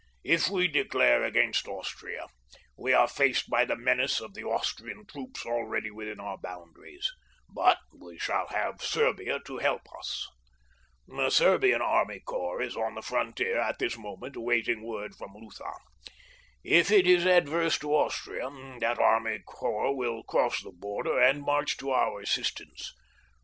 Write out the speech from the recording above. If we declare against Austria we are faced by the menace of the Austrian troops already within our boundaries, but we shall have Serbia to help us. "A Serbian army corps is on the frontier at this moment awaiting word from Lutha. If it is adverse to Austria that army corps will cross the border and march to our assistance.